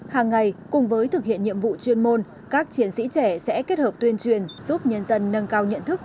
hàng ngày cùng với thực hiện nhiệm vụ chuyên môn các chiến sĩ trẻ sẽ kết hợp tuyên truyền giúp nhân dân nâng cao nhận thức